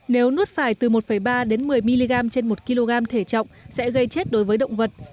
nếu nuốt phải từ một ba đến một mươi mg trên một kg thể trọng sẽ gây chết đối với động vật